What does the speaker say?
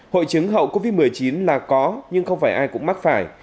hội chứng hậu covid một mươi chín là có nhưng không phải ai cũng mắc phải